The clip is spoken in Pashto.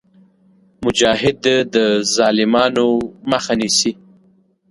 مجاهد د ظالمانو مخه نیسي.